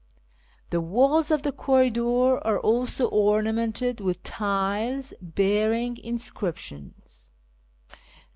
The walls of the corridor are also ornamented with tiles bearing inscriptions.